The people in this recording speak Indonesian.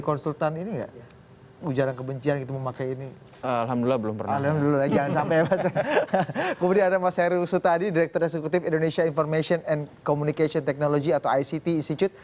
kemudian ada mas heru sutadi direktur eksekutif indonesia information and communication technology atau ict institute